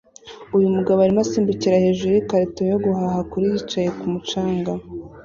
Uyu mugabo arimo asimbukira hejuru yikarita yo guhaha kuri yicaye kumu canga